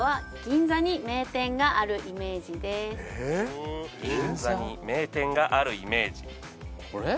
銀座に名店があるイメージこれ？